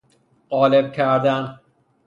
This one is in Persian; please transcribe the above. قالب کردن